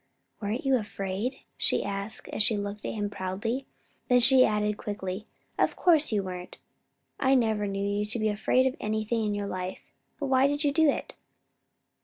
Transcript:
"Weren't you afraid?" she asked, as she looked at him proudly. Then she added, quickly, "Of course you weren't. I never knew you to be afraid of anything in your life. But why did you do it?"